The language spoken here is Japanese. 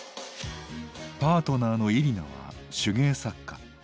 パートナーのイリナは手芸作家。